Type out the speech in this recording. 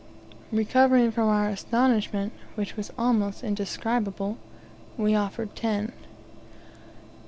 Recovering from our astonishment, which was almost indescribable, we offered TEN.